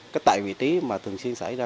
cách tại vị trí mà thường xuyên xảy ra